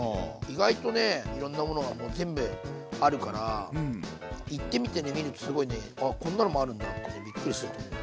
意外とねいろんなものがもう全部あるから行ってみてね見るとすごいねあこんなのもあるんだってびっくりすると思う。